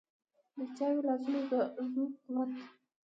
د چا وي د لاسونو زور قوت.